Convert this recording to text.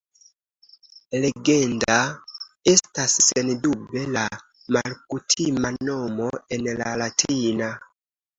Legenda estas sendube la malkutima nomo en la latina.